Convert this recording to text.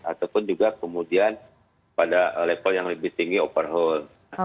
ataupun juga kemudian pada level yang lebih tinggi overhaul